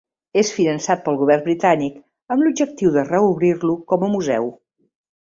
És finançat pel govern britànic amb l'objectiu de reobrir-lo com a museu.